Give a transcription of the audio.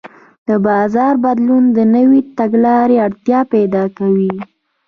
د بازار بدلون د نوې تګلارې اړتیا پیدا کوي.